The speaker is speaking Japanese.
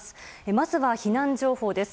まずは避難情報です。